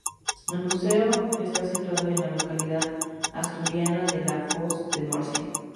El museo está situado en la localidad asturiana de La Foz de Morcín.